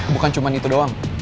bukan cuma itu doang